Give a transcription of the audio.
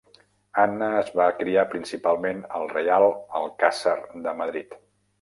Anna es va criar principalment al Reial Alcàsser de Madrid.